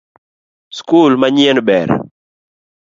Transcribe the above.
Skul manyien ber